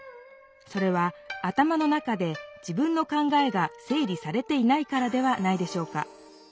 それは頭の中で自分の考えが整理されていないからではないでしょうか